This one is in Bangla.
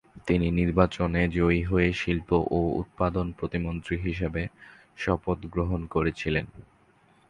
তিনি নির্বাচনে জয়ী হয়ে শিল্প ও উৎপাদন প্রতিমন্ত্রী হিসাবে শপথ গ্রহণ করেছিলেন।